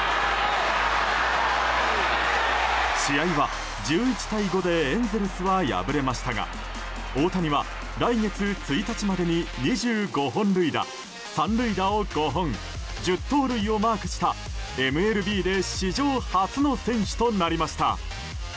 試合は１１対５でエンゼルスは敗れましたが大谷は来月１日までに２５本塁打３塁打を５本１０盗塁をマークしたＭＬＢで史上初の選手となりました。